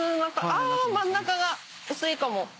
あ真ん中が薄いかも。